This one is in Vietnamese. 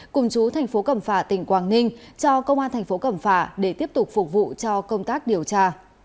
cùng chú thành phố cẩm phả tỉnh quảng ninh cho công an thành phố cẩm phả để tiếp tục phục vụ cho công tác điều tra